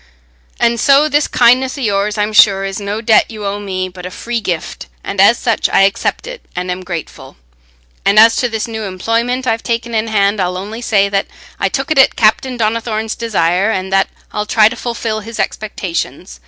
And so this kindness o' yours, I'm sure, is no debt you owe me, but a free gift, and as such I accept it and am thankful. And as to this new employment I've taken in hand, I'll only say that I took it at Captain Donnithorne's desire, and that I'll try to fulfil his expectations.